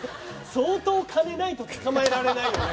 相当金ないと捕まえられないよね。